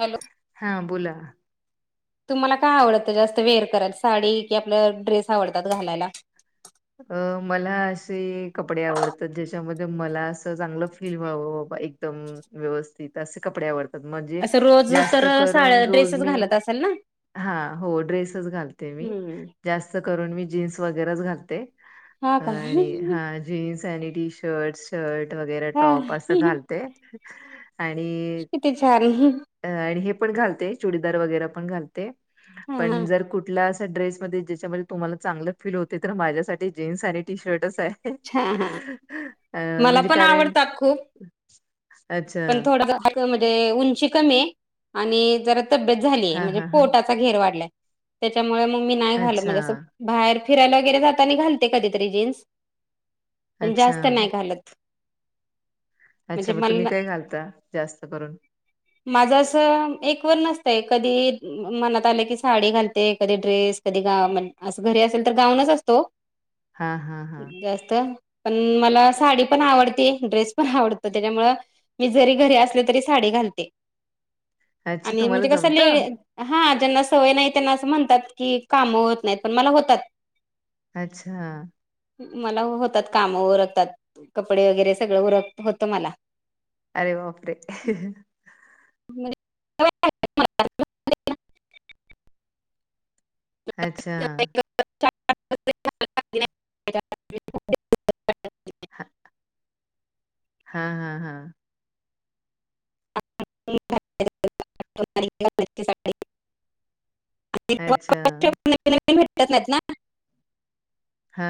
Hello हां बोला तुम्हाला काय आवडतं जास्त वेअर करायला साडी की आपल्या ड्रेस आवडतात घालायला अ मला असे कपडे आवडतात ज्याच्यामध्ये मला असं चांगलं फील व्हावं बाबा एक म व्यवस्थित असे कपड्यावर म्हणजे असं रोज जास्त तर करून साड्या रोज ड्रेसच मी घालत असेल ना हा हो ड्रेसच घालते मी हम्म जास्त करून मी जीन्स वगैरेच घालते हा अ का आणि हा जीन्स आणि टी शर्ट शर्ट वगैरे हा टॉप असं घालते आणि किती छान अ आणि हे पण घालते चुडीदार वगैरे पण घालते हा हा पण जर कुठल्या असा ड्रेसमध्ये ज्याच्यामध्ये तुम्हाला चांगलं फील होते तर माझ्या साठी जीन्स आणि टी शर्टच आहे,. हा हा अ मला म्हणजे पण कारण आवडतात खूप अच्छा पण थोडं जा म्हणजे उंची कमी आहे आणि जरा तब्येत झालीय हा म्हणजे हा हा पोटा घेर वाढला त्याच्यामुळे मग मी नाही घाल अच्छा म्हणजे अस बाहेर फिरायला वगैरे जाता आणि घालते कधीतरी जीन्स पण अच्छा जास्त नाही घालत म्हणजे अच्छा मग मला तुम्ही काय घालता जास्त करून माझं असं एक वर नसतय कधी मनात आलं की साडी घालते कधी ड्रेस कधी गा म्ह असं घरी असेल तर गाऊनच असतो हा हा हा जास्त पण मला साडी पण आवडते ड्रेस पण आवडत त्याच्यामुळ मी जरी घरी असले तरी साडी घालते अच्छा आणि तुम्हाला म्हणजे कसं जमत ले हा ज्यांना सवय नाही त्यांना असं म्हणतात की काम होत नाहीत पण मला होतात अच्छा मला होतात काम ओरखतात कपडे वगैरे सगळं ओरख होतं मला अरे वापरे [unintelligible] अच्छा [unintelligible] ह हा हा हा [unintelligible] अच्छा भेटत नाहीत ना हा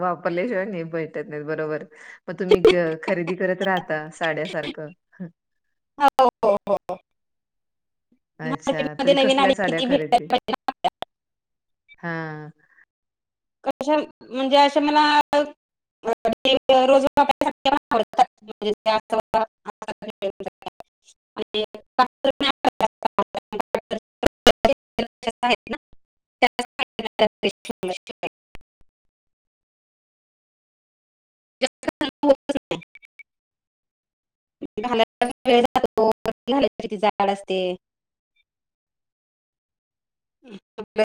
वापरल्याशिवाय नाही भैटत नाही बरोबर मग तुम्ही खरेदी करत राहता साड्यासारखं हो हो हो अच्छा मार्टे मध्ये तरी नवीन कसल्या साड्या [unintelligible] किती [unintelligible] खरेदी हा कशा म्हणजे अशा मला ते रोज [unintelligible] [unintelligible] [unintelligible] त्या साड्या मला शिवायला. [unintelligible] [unintelligible] जाड असते. [unintelligible] [inaudible]